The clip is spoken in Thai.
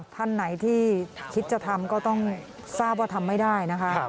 ท่านไหนที่คิดจะทำก็ต้องทราบว่าทำไม่ได้นะคะ